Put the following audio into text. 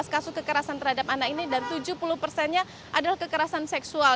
tujuh belas kasus kekerasan terhadap anak ini dan tujuh puluh persennya adalah kekerasan seksual